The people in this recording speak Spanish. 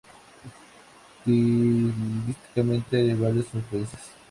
Estilísticamente, hay varias influencias.